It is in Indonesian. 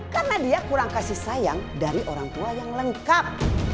karena dia kurang kasih sayang dari orang tua yang lengkap